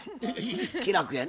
気楽やね